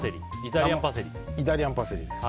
イタリアンパセリです。